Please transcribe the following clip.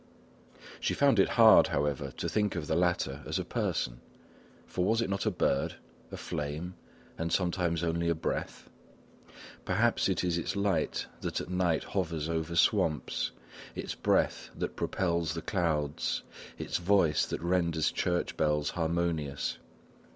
She found it hard, however, to think of the latter as a person, for was it not a bird, a flame, and sometimes only a breath? Perhaps it is its light that at night hovers over swamps, its breath that propels the clouds, its voice that renders church bells harmonious.